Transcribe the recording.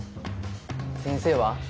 先生は？